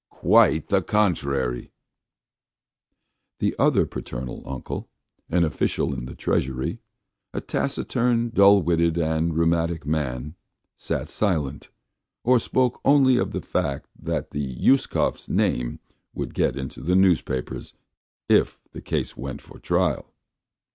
Quite the opposite!" The other paternal uncle, an official in the Treasury, a taciturn, dull witted, and rheumatic man, sat silent, or spoke only of the fact that the Uskovs' name would get into the newspapers if the case went for trial.